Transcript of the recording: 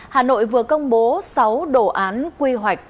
hà nội vừa công bố sáu đồ án quy hoạch